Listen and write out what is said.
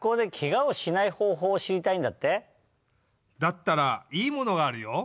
だったらいいものがあるよ。